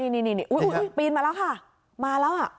นี่ปีนมาแล้วค่ะมาแล้ว